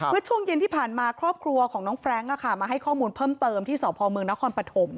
วิวะช่วงเย็นที่ผ่านมาครอบครัวของแน๊วแฟลกมาให้ข้อมูลเพิ่มเติมที่สมนพ